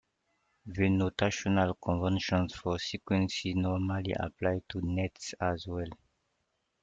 The notational conventions for sequences normally apply to nets as well.